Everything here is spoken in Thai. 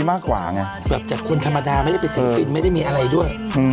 ดีมากกว่าไงแบบจากคนธรรมดาไม่ได้ติดสินตินไม่ได้มีอะไรด้วยอืม